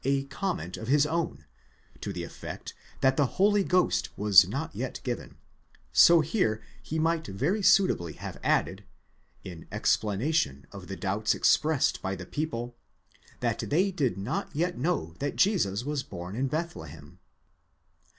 a comment of his own, to the effect that the Holy Ghost was not yet given, so here he might very suitably have added, in explanation of the doubts expressed by the people, that they did not yet know that Jesus was born in Bethlehem.